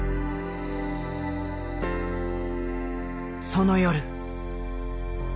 その夜。